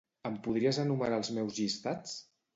Em podries enumerar els meus llistats?